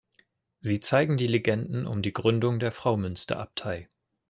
Sie zeigen die Legenden um die Gründung der Fraumünsterabtei.